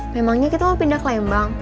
memangnya kita mau pindah ke lembang